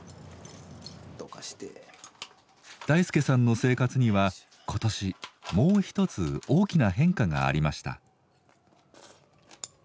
大介さんの生活には今年もう一つ大きな変化がありました。